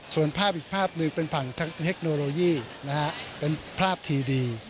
ส่วนภาพอีกภาพหนึ่งเป็นผ่านทางเทคโนโลยีเป็นภาพทีดี